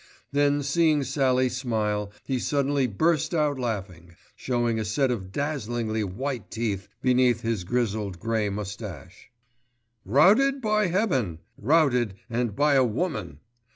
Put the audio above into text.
Then seeing Sallie smile he suddenly burst out laughing, showing a set of dazzlingly white teeth beneath his grizzled grey moustache. "Routed, by heaven! routed and by a woman.